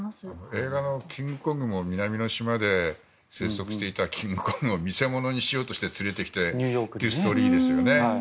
映画の「キングコング」も南の島で生息していたキングコングを見世物にしようとして連れてきてというストーリーですよね。